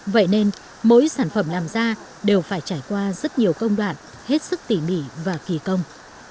vậy nên mỗi sản phẩm làm ra đều phải trải qua rất nhiều công đoạn hết sức tỉ mỉ và kỳ công